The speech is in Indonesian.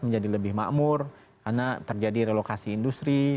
menjadi lebih makmur karena terjadi relokasi industri